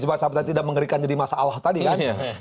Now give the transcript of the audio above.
bahwa sahabatnya tidak mengerikan jadi masalah tadi kan